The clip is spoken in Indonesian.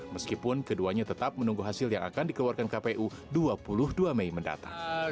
meskipun keduanya tetap menunggu hasil yang akan dikeluarkan kpu dua puluh dua mei mendatang